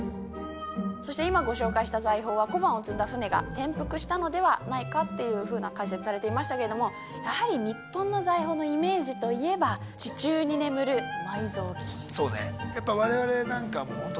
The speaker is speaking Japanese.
そして今ご紹介した財宝は小判を積んだ船が転覆したのではないかっていうふうな解説されていましたけれどもやはりやっぱり我々なんかもう本当テレビでずっと見てましたよ。